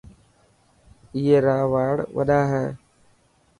اي را واڙ وڏا هي.